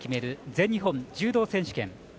全日本柔道選手権。